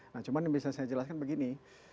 nah cuma yang bisa saya jelaskan begini